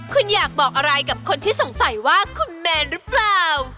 คุณอยากบอกอะไรกับคนที่สงสัยว่าคุณแมนหรือเปล่า